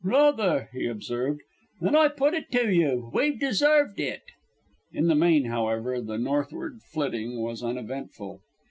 "Rather," he observed. "An' I put it to you we've deserved it." In the main, however, the northward flitting was uneventful.